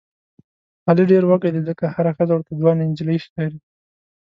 علي ډېر وږی دی ځکه هره ښځه ورته ځوانه نجیلۍ ښکاري.